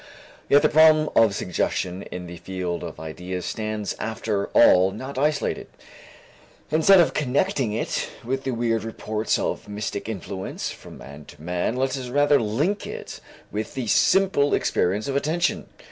Yet the problem of suggestion in the field of ideas stands after all not isolated. Instead of connecting it with the weird reports of mystic influence from man to man, let us rather link it with the simple experience of attention.